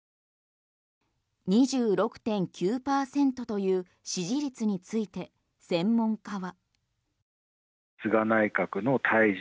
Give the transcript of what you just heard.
２６．９％という支持率について専門家は。